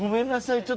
ちょっと